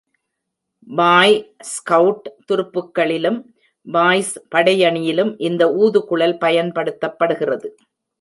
பாய் scout துருப்புக்களிலும், boys படையணியிலும் இந்த ஊதுகுழல் பயன்படுத்தப்படுகிறது.